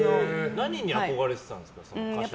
何に憧れてたんですか、歌手の。